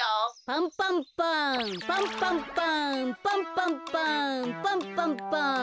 パンパンパンパンパンパンパンパンパン。